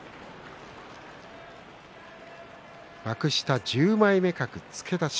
幕下十枚目格付け出し